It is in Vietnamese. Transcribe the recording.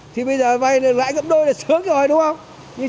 thì bây giờ vay lại gặp đôi là sớm rồi đúng không